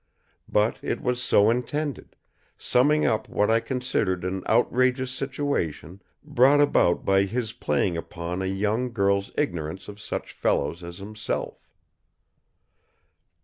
But it was so intended; summing up what I considered an outrageous situation brought about by his playing upon a young girl's ignorance of such fellows as himself.